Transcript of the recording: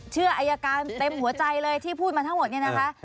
อายการเต็มหัวใจเลยที่พูดมาทั้งหมดเนี่ยนะคะ